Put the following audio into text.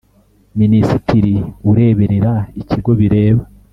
Minisitiri ureberera ikigo bireba .